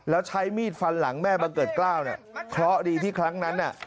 แล้วใช้มีดฟันหลังแม่บังเกิดกล้าวเนี่ยเคราะห์ดีที่ครั้งนั้นน่ะ